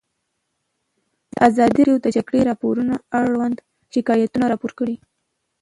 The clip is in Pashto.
ازادي راډیو د د جګړې راپورونه اړوند شکایتونه راپور کړي.